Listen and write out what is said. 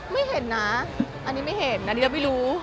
ไม่เห็นนะอันนี้ไม่เห็นอันนี้เราไม่รู้